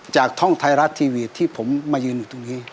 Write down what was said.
จากช่องไทยรัฐทีวีที่ผมมายืนอยู่ตรงนี้